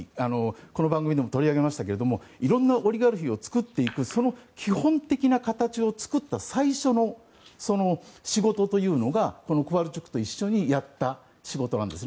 この番組でも取り上げましたがいろんなオリガルヒを作っていく基本的な形を作った最初の仕事というのがコバルチュクと一緒にやった仕事なんですね。